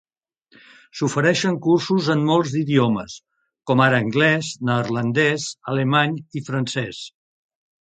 S'ofereixen cursos en molts d'idiomes, com ara anglès, neerlandès, alemany i francès.